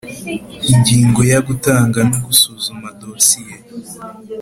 Ingingo ya Gutanga no gusuzuma dosiye